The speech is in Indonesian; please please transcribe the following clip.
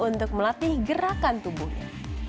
untuk melatih gerakan tubuhnya